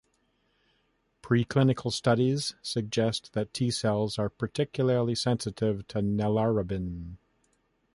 Pre-clinical studies suggest that T-cells are particularly sensitive to nelarabine.